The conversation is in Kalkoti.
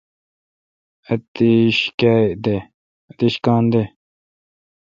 اتیش کاں دے۔